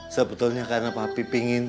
sebetulnya karena papi pingin